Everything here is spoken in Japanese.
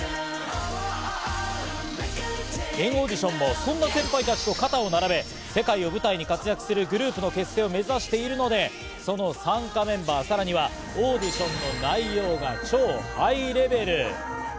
＆ＡＵＤＩＴＩＯＮも、そんな先輩たちと肩を並べ、世界を舞台に活躍するグループの結成を目指しているので、その参加メンバー、さらにはオーディションの内容が超ハイレベル。